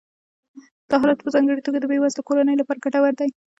دا حالت په ځانګړې توګه د بې وزله کورنیو لپاره ګټور دی